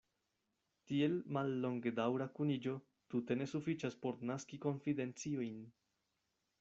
Tiel mallongedaŭra kuniĝo tute ne sufiĉas por naski konfidenciojn.